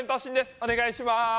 お願いします。